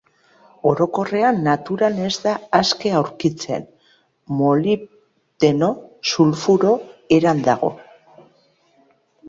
Orokorrean, naturan ez da aske aurkitzen, molibdeno sulfuro eran dago.